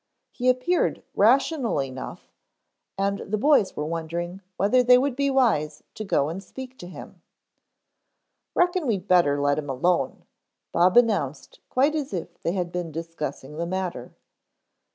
He appeared rational enough and the boys were wondering whether they would be wise to go and speak to him. "Reckon we'd better let him alone," Bob announced quite as if they had been discussing the matter.